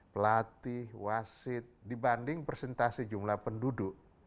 pelatih wasit dibanding presentasi jumlah penduduk